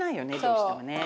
どうしてもね。